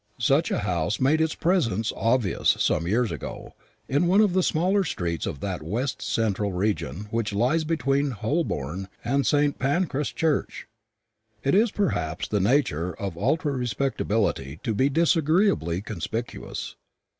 Such a house made its presence obvious, some years ago, in one of the smaller streets of that west central region which lies between Holborn and St. Pancras Church. It is perhaps the nature of ultra respectability to be disagreeably conspicuous.